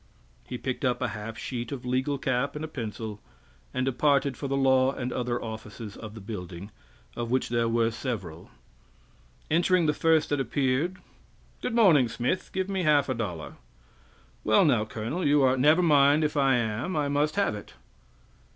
He picked up a half sheet of legal cap and a pencil, and departed for the law and other offices of the building of which there were several. Entering the first that appeared, "Good morning, Smith, give me half a dollar." "Well, now, colonel, you are " "Never mind if I am I must have it!"